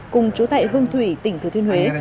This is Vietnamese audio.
cùng chú tại hương thủy tỉnh thừa thuyên huế